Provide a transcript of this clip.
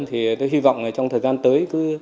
thì tôi hy vọng trong thời gian tới